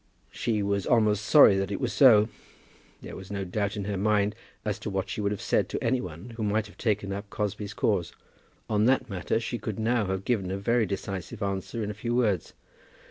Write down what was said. She was almost sorry that it was so. There was no doubt in her mind as to what she would have said to any one who might have taken up Crosbie's cause. On that matter she could now have given a very decisive answer in a few words.